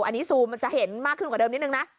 อันนี้ซูมมันจะเห็นมากขึ้นกว่าเดิมนิดนึงนะ